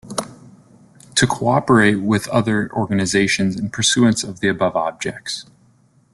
To co-operate with other organisations in pursuance of the above objects.